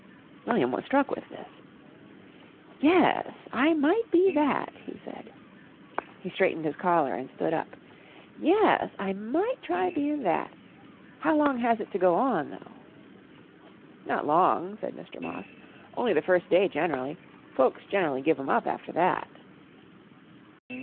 William was struck with this. "Yes, I might be that," he said. He straightened his collar and stood up. "Yes, I might try bein' that. How long has it to go on, though?" "Not long," said Mr. Moss. "Only the first day gen'rally. Folks generally give 'em up after that."